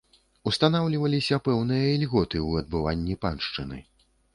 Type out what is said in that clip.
Устанаўліваліся пэўныя ільготы ў адбыванні паншчыны.